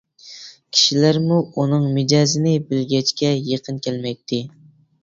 كىشىلەرمۇ ئۇنىڭ مىجەزىنى بىلگەچكە يېقىن كەلمەيتتى.